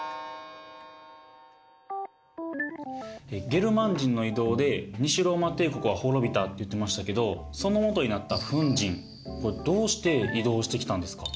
ゲルマン人の移動で西ローマ帝国は滅びたって言ってましたけどそのもとになったフン人どうして移動してきたんですか？